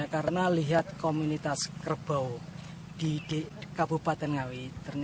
karena lihat komunitas kerbau di kabupaten ngawi